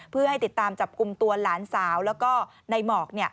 เพื่อให้ติดตามจับกลุ่มตัวหลานสาวแล้วก็ในหมอก